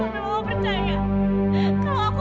enggak enggak lepasin aku